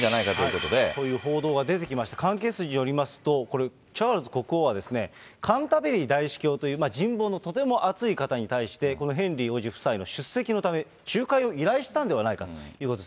という報道が出てきまして、関係筋によりますと、これ、チャールズ国王は、カンタベリー大主教という人望のとてもあつい方に対して、このヘンリー王子夫妻の出席のため、仲介を依頼したのではないかということです。